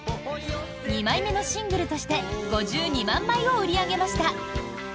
２枚目のシングルとして５２万枚を売り上げました。